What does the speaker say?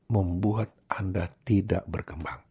membuat anda tidak berkembang